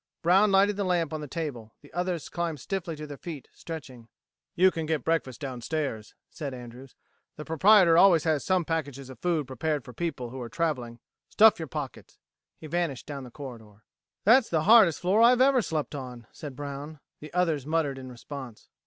Brown lighted the lamp on the table; the others climbed stiffly to their feet, stretching. "You can get breakfast downstairs," said Andrews. "The proprietor always has some packages of food prepared for people who are traveling. Stuff your pockets." He vanished down the corridor. "That's the hardest floor I've ever slept on," said Brown. The others muttered in response.